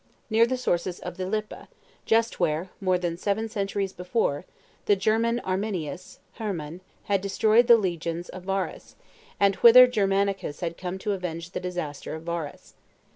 Near the sources of the Lippe, just where, more than seven centuries before, the German Arminius (Herrmann) had destroyed the legions of Varus, and whither Germanicus had come to avenge the disaster of Varus.